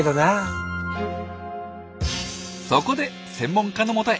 そこで専門家のもとへ。